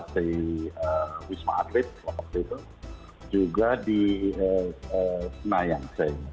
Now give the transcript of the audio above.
ada si wisma atlet juga di nayang